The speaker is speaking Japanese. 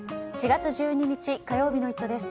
４月１２日、火曜日の「イット！」です。